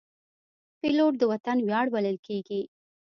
پیلوټ د وطن ویاړ بلل کېږي.